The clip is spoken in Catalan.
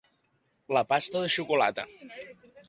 La pasta de xocolata.